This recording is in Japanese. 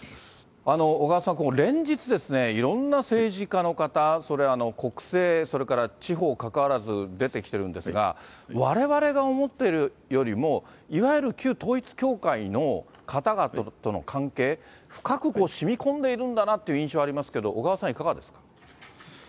小川さん、連日、いろんな政治家の方、それ国政、それから地方かかわらず出てきてるんですが、われわれが思っているよりも、いわゆる旧統一教会の方々との関係、深くしみこんでいるんだなという印象ありますけど、小川さん、いかがですか？